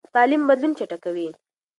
تعلیم بدلون چټکوي.